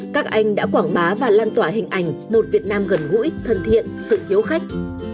các anh đã quảng bá và lan tỏa hình ảnh một việt nam gần gũi thân thiện sự hiếu khách